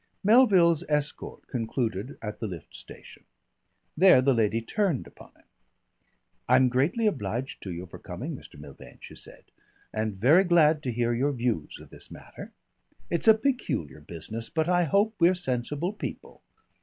Melville's escort concluded at the lift station. There the lady turned upon him. "I'm greatly obliged to you for coming, Mr. Milvain," she said; "and very glad to hear your views of this matter. It's a peculiar business, but I hope we're sensible people.